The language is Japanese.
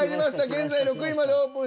現在６位までオープンし